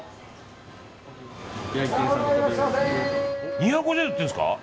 ２５０円で売ってるんですか？